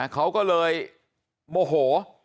เขาก็เลยโมโห